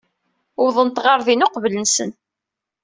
Uwḍent ɣer din uqbel-nsen.